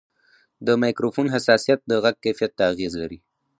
د مایکروفون حساسیت د غږ کیفیت ته اغېز لري.